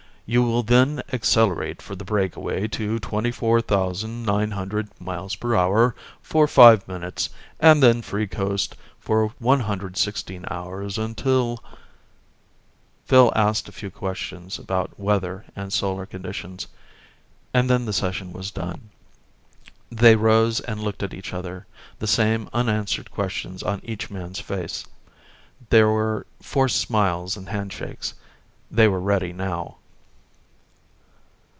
You will then accelerate for the breakaway to 24,900 mph for five minutes and then free coast for 116 hours until " Phil asked a few questions about weather and solar conditions. And then the session was done. They rose and looked at each other, the same unanswered questions on each man's face. There were forced smiles and handshakes. They were ready now.